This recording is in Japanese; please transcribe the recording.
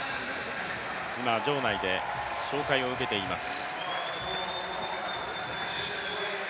今、場内で紹介を受けています。